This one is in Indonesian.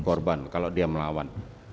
korban kalau dia melawan